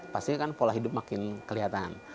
pasti kan pola hidup makin kelihatan